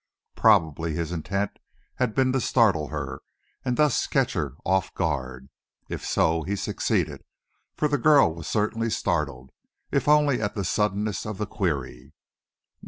Probably his intent had been to startle her, and thus catch her off her guard. If so, he succeeded, for the girl was certainly startled, if only at the suddenness of the query.